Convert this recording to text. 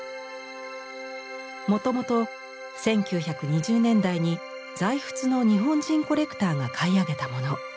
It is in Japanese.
もともと１９２０年代に在仏の日本人コレクターが買い上げたもの。